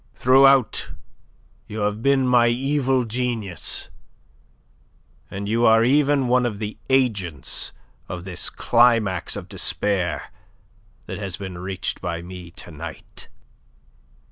Throughout you have been my evil genius. And you are even one of the agents of this climax of despair that has been reached by me to night."